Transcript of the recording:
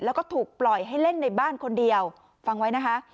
แล้วก็ถูกปล่อยให้เล่นในบ้านคนเดียวฟังไว้นะคะ